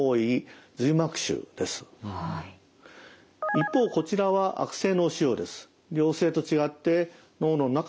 一方こちらは悪性脳腫瘍です。